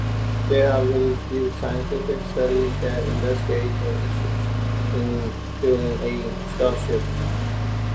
There are very few scientific studies that investigate the issues in building a starship.